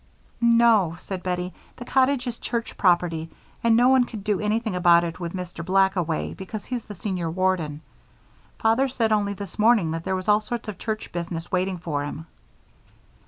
"No," said Bettie. "The cottage is church property and no one could do anything about it with Mr. Black away because he's the senior warden. Father said only this morning that there was all sorts of church business waiting for him."